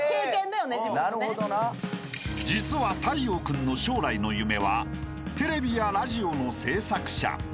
［実は太陽君の将来の夢はテレビやラジオの制作者］